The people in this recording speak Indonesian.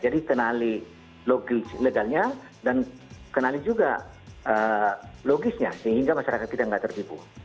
jadi kenali logis legalnya dan kenali juga logisnya sehingga masyarakat kita tidak tertipu